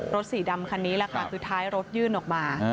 สีดำคันนี้แหละค่ะคือท้ายรถยื่นออกมา